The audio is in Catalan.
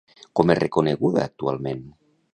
Com és reconeguda actualment?